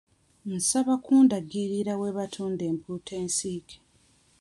Nsaba kundagirira we batunda empuuta ensiike.